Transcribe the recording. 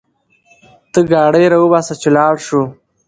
ته ګاډی راوباسه چې لاړ شو